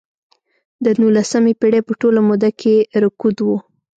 د نولسمې پېړۍ په ټوله موده کې رکود و.